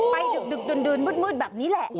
ดึกดื่นมืดแบบนี้แหละ